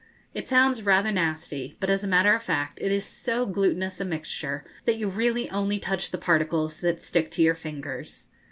It sounds rather nasty; but, as a matter of fact, it is so glutinous a mixture that you really only touch the particles that stick to your fingers.